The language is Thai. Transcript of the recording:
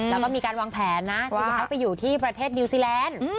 แล้วก็มีการวางแผนนะจะย้ายไปอยู่ที่ประเทศนิวซีแลนด์